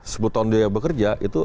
sebutan dia bekerja itu